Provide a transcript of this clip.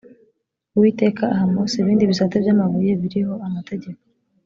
uwiteka aha mose ibindi bisate by ‘amabuye biriho amategeko.